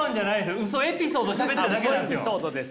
ウソエピソードしゃべっただけなんですよ。